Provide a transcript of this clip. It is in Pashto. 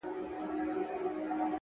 مهرباني د انسان تر ټولو لویه ژبه ده.!